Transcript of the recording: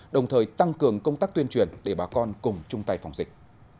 đồng thời tăng cường công tác tuyên truyền để bà con cùng chung tay phòng dịch